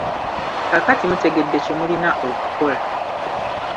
Kaakati mutegedde kye mulina okukola.